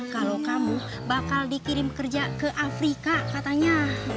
kalau kamu bakal dikirim kerja ke afrika katanya